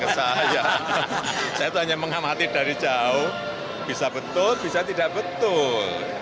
saya itu hanya mengamati dari jauh bisa betul bisa tidak betul